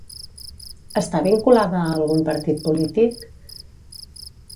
Està vinculada a algun partit polític?